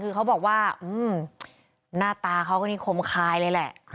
คือเขาบอกว่าหน้าตาเขาก็นี่คมคายเลยแหละ